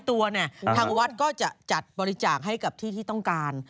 ๖๐๐ตัวทางวัดก็จะจัดบริจาคให้กับที่ต้องการ